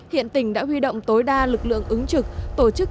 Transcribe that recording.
hiện tỉnh đã huy động tối đa lực lượng ứng trực